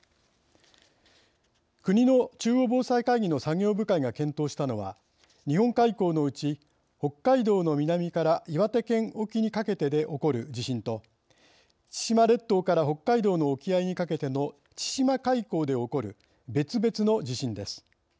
国の中央防災会議の作業部会が検討したのは日本海溝のうち北海道の南から岩手県沖にかけてで起こる地震と千島列島から北海道の沖合にかけての千島海溝で起こる別々の地震です。